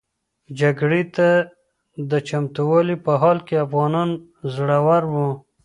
جګړې ته د چمتووالي په حال کې افغانان زړور و.